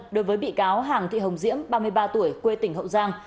đối với bị cáo hàng thị hồng diễm ba mươi ba tuổi quê tỉnh hậu giang